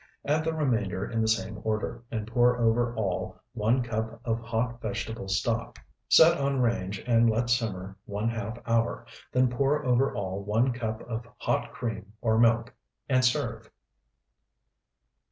Add the remainder in the same order, and pour over all one cup of hot vegetable stock. Cover, set on range, and let simmer one half hour, then pour over all one cup of hot cream or milk, and serve.